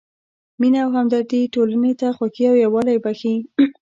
مینه او همدردي ټولنې ته خوښي او یووالی بښي.